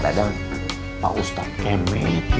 terkadang pak ustadz kemet